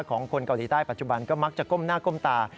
คนเกาหลีใต้ปัจจุบันก็มักจะก้มหน้าก้มตา